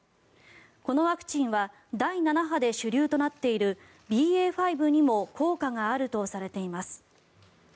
このワクチンは第７波で主流となっているＢＡ．５にも効果があるとされています。